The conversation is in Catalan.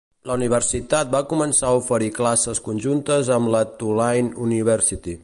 La universitat va començar a oferir classes conjuntes amb la Tulane University.